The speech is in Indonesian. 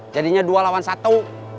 jadinya dua lawan satu